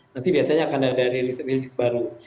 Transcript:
nanti biasanya akan ada rilis rilis baru